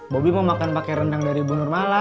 bobby mau makan pake rendang dari ibu nurmala